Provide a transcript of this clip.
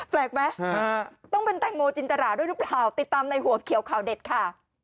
แปลกไหมต้องเป็นแตงโมจินตราด้วยหรือเปล่าติดตามในหัวเขียวข่าวเด็ดค่ะ